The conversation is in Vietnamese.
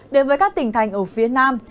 đến với các tỉnh thành ở phía nam